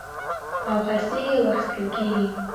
او خرڅېږي او اخيستل کېږي.